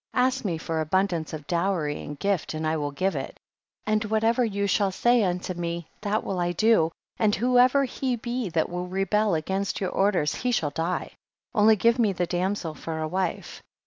28. Ask me for abundance of dowry and gift, and I will give it, and whatever you shall say unto me that will I do, and whoever he be that will rebel against your orders, he shall die ; only give me the damsel for a wife.